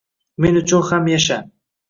Men uchun ham yasha